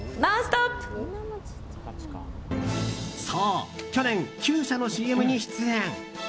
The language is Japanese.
そう、去年９社のＣＭに出演。